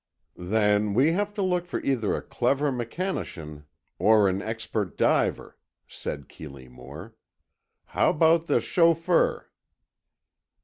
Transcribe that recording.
"Then, we have to look for either a clever mechanician or an expert diver," said Keeley Moore. "How about the chauffeur?"